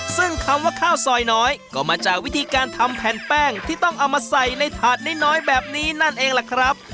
ซึ่งคำว่าข้าวซอยน้อยก็มาจากวิธีการทำแผ่นแป้งที่ต้องเอามาใส่ในถาดน้อยแบบนี้นั่นเองล่ะครับ